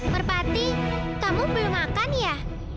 merpati kamu belum makan ya